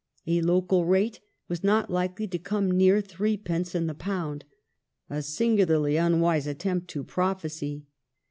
The local rate was not likely to come near 3d. in the pound — a singularly unwise attempt to prophesy.